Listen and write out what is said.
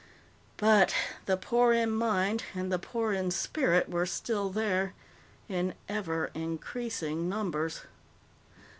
But the poor in mind and the poor in spirit were still there in ever increasing numbers.